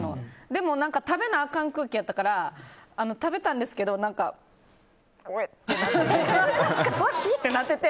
でも食べなあかん空気やったから食べたんですけどおえってなって。